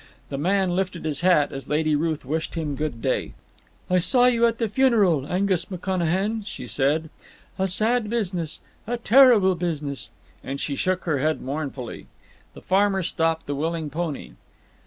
The man lifted his hat as Lady Ruth wished him good day. "I saw you at the funeral, Angus McConachan," she said. "A sad business. A terrible business." And she shook her head mournfully. The farmer stopped the willing pony.